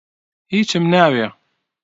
هیچم ناوێ.